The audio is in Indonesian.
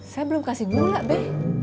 saya belum kasih gula be